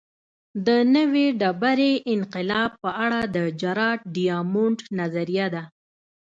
د نوې ډبرې انقلاب په اړه د جراډ ډیامونډ نظریه ده